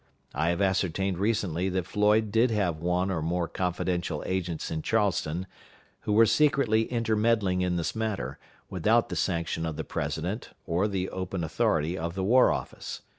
I have ascertained recently that Floyd did have one or more confidential agents in Charleston, who were secretly intermeddling in this matter, without the sanction of the President or the open authority of the War Office.